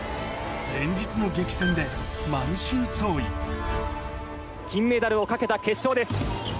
連日の激戦で満身創痍金メダルを懸けた決勝です。